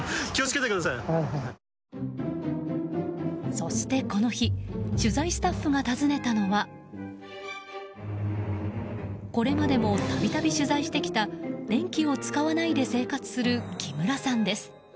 そしてこの日取材スタッフが訪ねたのはこれまでも度々取材してきた電気を使わないで生活する木村さんです。